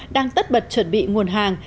đang tất bật chuẩn bị nguồn hàng